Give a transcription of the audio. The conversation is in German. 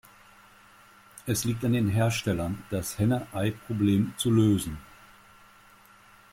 Es liegt an den Herstellern, das Henne-Ei-Problem zu lösen.